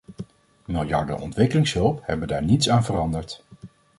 Miljarden ontwikkelingshulp hebben daar niets aan veranderd.